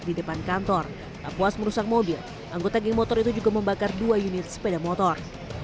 di depan kantor tak puas merusak mobil anggota geng motor itu juga membakar dua unit sepeda motor